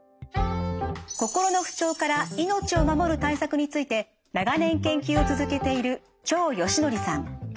心の不調から命を守る対策について長年研究を続けている張賢徳さん。